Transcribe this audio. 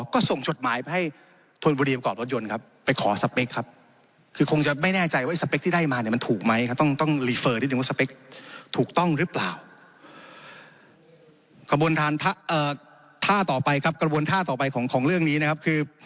กระบวนท่าต่อไปของเรื่องนี้เนี่ยครับคือ